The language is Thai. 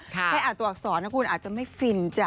ให้อ่านตัวอักษรนะคุณอาจจะไม่ฟินจ้ะ